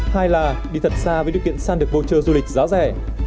hai là đi thật xa với điều kiện săn được voucher du lịch giá rẻ